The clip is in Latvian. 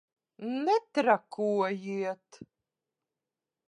Netrakojiet!